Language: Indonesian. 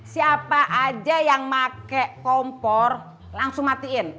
siapa aja yang pakai kompor langsung matiin